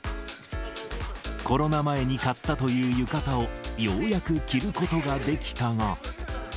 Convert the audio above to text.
コロナ前に買ったという浴衣を、ようやく着ることができたが。